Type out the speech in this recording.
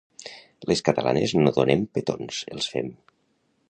Les catalanes no donem petons, els fem